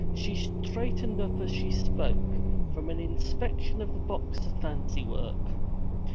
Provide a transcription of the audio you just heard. She straightened up as she spoke, from an inspection of a box of fancy work.